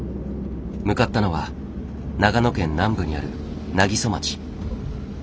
向かったのは長野県南部にある南木曽町。